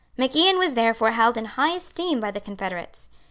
Mac Ian was therefore held in high esteem by the confederates.